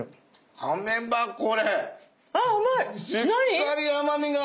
しっかり甘みが。